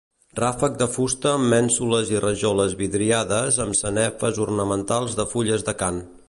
Ràfec de fusta amb mènsules i rajoles vidriades amb sanefes ornamentals de fulles d'acant.